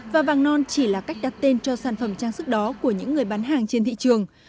và vàng non chỉ là cách đặt tên cho sản phẩm trang sức đó của những người bán hàng trên thị trường